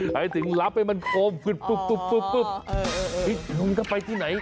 หายถึงรับให้มันโคมอ๋อเออเออเออนุ้งจะไปที่ไหน